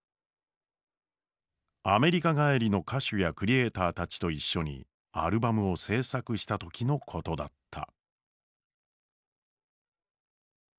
アメリカ帰りの歌手やクリエーターたちと一緒にアルバムを制作した時のことだった。